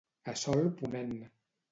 A sol ponent.